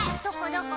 どこ？